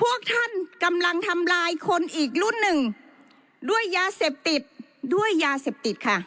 พวกท่านกำลังทำลายคนอีกรุ่นหนึ่งด้วยยาเสพติดด้วยยาเสพติดค่ะ